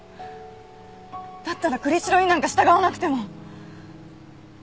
だったら栗城になんか従わなくても。